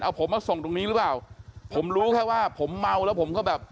เอาผมมาส่งตรงนี้หรือเปล่าผมรู้แค่ว่าผมเมาแล้วผมก็แบบ